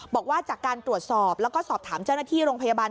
บอกว่าจากการตรวจสอบแล้วก็สอบถามเจ้าหน้าที่โรงพยาบาล